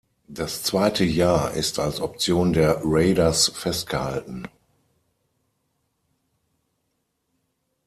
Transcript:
Das zweite Jahr ist als Option der Raiders festgehalten.